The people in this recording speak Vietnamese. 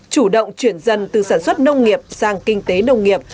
chủ động chuyển dần từ sản xuất nông nghiệp sang kinh tế nông nghiệp